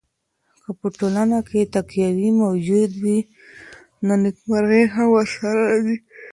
که په ټولنه کي تقوی موجوده وي نو نېکمرغي هم ورسره راځي.